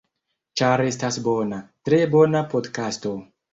Ĉar estas bona, tre bona podkasto.